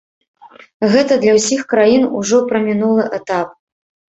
Гэта для ўсіх краін ужо прамінулы этап.